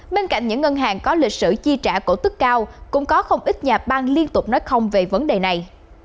bên cạnh những ngân hàng có lịch sử chi trả cổ tức cao cũng có không ít nhà bang liên tục nói không về vấn đề này